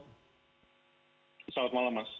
selamat malam mas